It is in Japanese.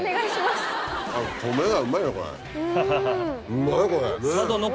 うまいこれ。